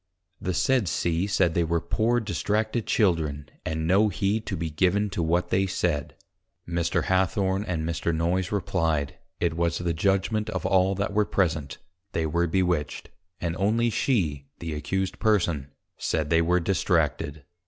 _ The said C. said, they were poor distracted Children, and no heed to be given to what they said. Mr. Hathorne and Mr. Noyes replyed, It was the Judgment of all that were present, they were Bewitched, and only she the Accused Person said, they were Distracted.